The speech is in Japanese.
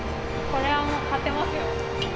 これはもう勝てますよ。